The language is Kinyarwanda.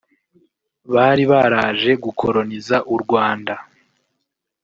bari baraje gukoroniza u Rwanda